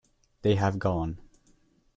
They have gone.